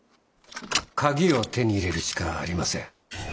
鍵を手に入れるしかありません。